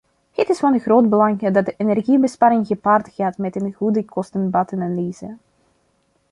Het is van groot belang dat energiebesparing gepaard gaat met een goede kosten-baten-analyse.